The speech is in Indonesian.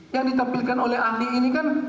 yang ditampilkan oleh andi ini kan